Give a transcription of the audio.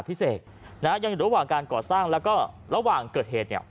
พิเศษนะฮะยังอยู่ระหว่างการก่อสร้างแล้วก็ระหว่างเกิดเหตุเนี่ย